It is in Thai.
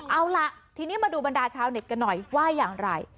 เอาล่ะทีนี้มาดูบรรดาชาวเน็ตกันหน่อยว่าอย่างไร